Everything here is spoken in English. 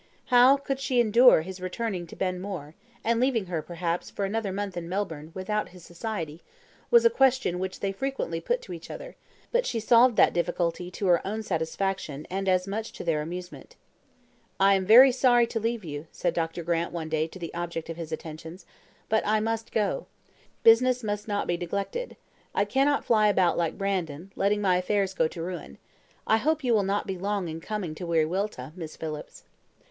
How could she endure his returning to Ben More, and leaving her, perhaps, for another month in Melbourne without his society, was a question which they frequently put to each other; but she solved that difficulty to her own satisfaction and as much to their amusement. "I am very sorry to leave you," said Dr. Grant one day to the object of his attentions, "but I must go. Business must not be neglected. I cannot be flying about like Brandon, letting my affairs go to ruin. I hope you will not be long in coming to Wiriwilta, Miss Phillips."